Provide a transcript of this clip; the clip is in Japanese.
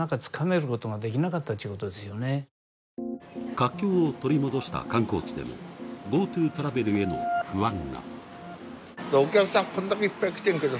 活況を取り戻した観光地でもＧｏＴｏトラベルへの不安が。